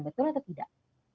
betul atau tidak